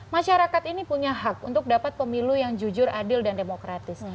masyarakat ini punya hak untuk dapat pemilu yang jujur adil dan demokratis